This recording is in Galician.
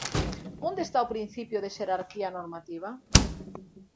¿Onde está o principio de xerarquía normativa?